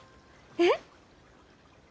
えっ？